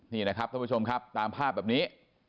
นี่นะครับท่านผู้ชมครับตามภาพแบบนี้